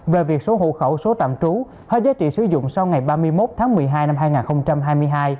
về việc số hộ khẩu số tạm trú có giá trị sử dụng sau ngày ba mươi một tháng một mươi hai năm hai nghìn hai mươi hai